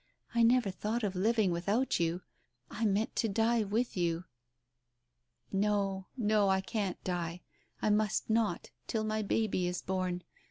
I never thought of living without you ! I meant to die with you. ... "No — no — I can't die — I must not — till my baby is born.